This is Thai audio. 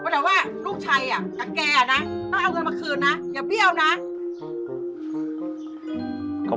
แต่ว่าลูกชายอ่ะกับแกนะต้องเอาเงินมาคืนนะอย่าเบี้ยวนะ